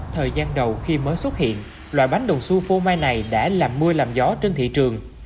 thời gian đầu khi mới xuất hiện loại bánh đồng su phô mai này đã làm mưa làm gió trên thị trường